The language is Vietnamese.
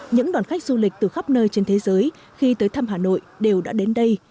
những đoàn khách du lịch từ khắp nơi trên thế giới khi tới thăm hà nội đều đã đến đây